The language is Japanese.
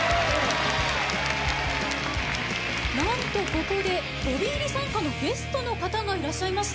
何とここで飛び入り参加のゲストの方がいらっしゃいました。